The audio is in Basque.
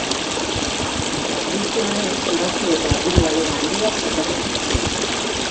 Guzti honek gastu eta diru galera handiak ekarri zizkion.